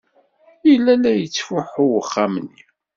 Yella la yettfuḥu uxxam-nni.